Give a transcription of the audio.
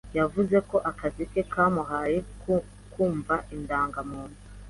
Yavuze ko akazi ke kamuhaye kumva indangamuntu.